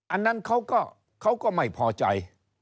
อันนั้นเขาก็ไม่พอใจ